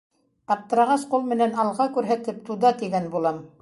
Аптырағас, ҡул менән алға күрһәтеп, туда, тигән булам.